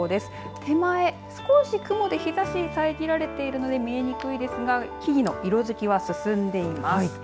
手前、少し雲で日ざしさえぎられているので見にくいですが木々の色づきは進んでいます。